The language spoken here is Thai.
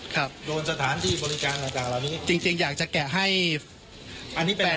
ครับโดนสถานที่บริการต่างต่างเหล่านี้จริงอยากจะแกะให้อันนี้แปลก